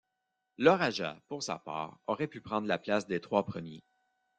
Le Raja, pour sa part, aurait pu prendre la place des trois premiers.